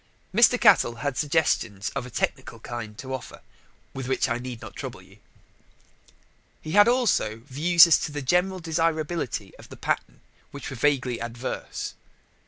Mr. Cattell had suggestions of a technical kind to offer, with which I need not trouble you. He had also views as to the general desirability of the pattern which were vaguely adverse.